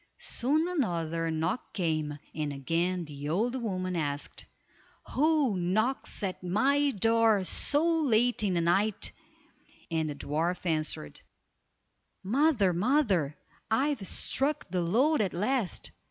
Soon another knock came, and again the old woman asked, "Who knocks at my door so late in the night," and the dwarf answered:— "Mother! mother! I've struck the lode at last."